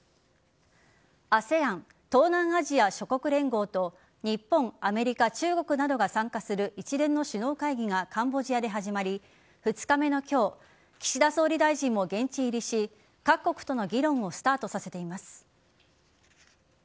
ＡＳＥＡＮ＝東南アジア諸国連合と日本、アメリカ中国などが参加する一連の首脳会議がカンボジアで始まり２日目の今日岸田総理大臣も現地入りし各国との議論をスタートさせています。